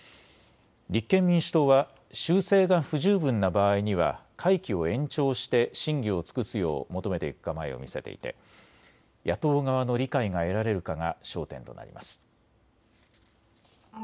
立憲民主党は修正が不十分な場合には会期を延長して審議を尽くすよう求めていく構えを見せていて野党側の理解が得られるかが焦点となります。